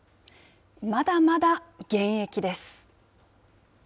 まだまだ現役です。